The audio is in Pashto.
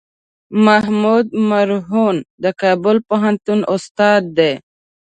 محمود مرهون د کابل پوهنتون استاد دی.